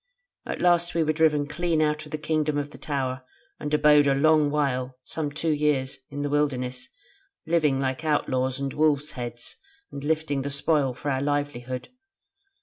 At last we were driven clean out of the Kingdom of the Tower, and abode a long while, some two years, in the wilderness, living like outlaws and wolves' heads, and lifting the spoil for our livelihood.